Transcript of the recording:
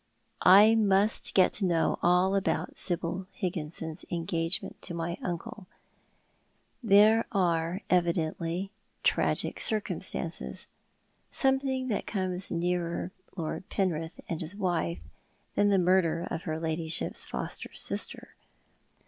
I must get to know all about Sibyl Il'gginson's engagement to my uncle. There are evidently tragic circumstances— some thing that comes nearer Lord Penrith and his wife than the murder of her ladyship's foster sister.